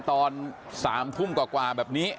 ตอน๓ทุ่มกว่าแบบนี้